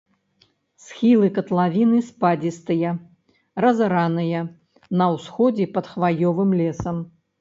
Схілы катлавіны спадзістыя, разараныя, на ўсходзе пад хваёвым лесам.